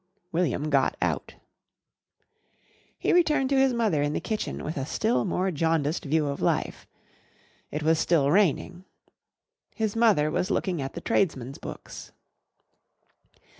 William got out. He returned to his mother in the kitchen with a still more jaundiced view of life. It was still raining. His mother was looking at the tradesmen's books.